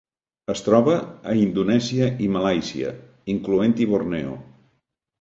Es troba a Indonèsia i Malàisia, incloent-hi Borneo.